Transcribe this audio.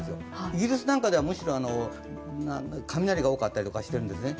イギリスなんかではむしろ雷が多かったりしてるんですね。